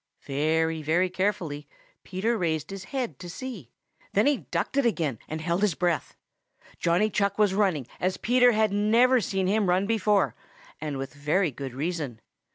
Very, very carefully Peter raised his head to see. Then he ducked it again and held his breath. Johnny Chuck was running as Peter never had seen him run before and with very good reason.